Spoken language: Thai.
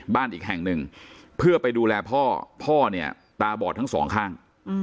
อีกแห่งหนึ่งเพื่อไปดูแลพ่อพ่อเนี่ยตาบอดทั้งสองข้าง